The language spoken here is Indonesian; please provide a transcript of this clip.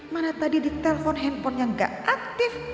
mana tadi di telpon handphonenya gak aktif